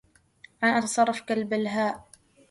أنا أتصرّف كالبلهاء.